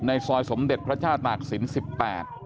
ในซอยสมเด็จพระชาติปากศิลป์๑๘